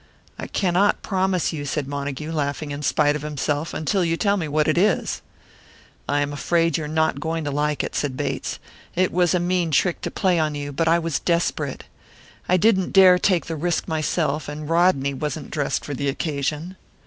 "I cannot promise you," said Montague, laughing in spite of himself, "until you tell me what it is." "I'm afraid you are not going to like it," said Bates. "It was a mean trick to play on you, but I was desperate. I didn't dare take the risk myself, and Rodney wasn't dressed for the occasion."